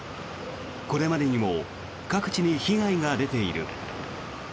これまでにも各地に被害が出ている。